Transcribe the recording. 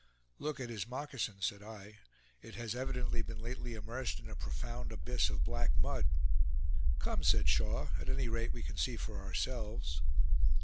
"Look at his moccasion," said I. "It has evidently been lately immersed in a profound abyss of black mud." "Come," said Shaw; "at any rate we can see for ourselves."